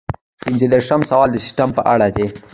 پنځه دېرشم سوال د سیسټم په اړه دی.